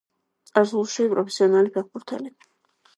წარსულში პროფესიონალი ფეხბურთელი.